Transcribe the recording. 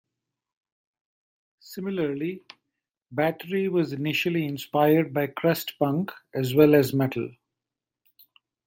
Similarly, Bathory was initially inspired by crust punk as well as metal.